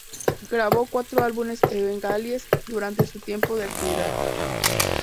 Grabó cuatro álbumes en bengalíes durante su tiempo de actividad.